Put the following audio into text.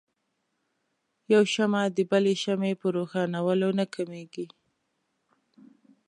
يوه شمعه د بلې شمعې په روښانؤلو نه کميږي.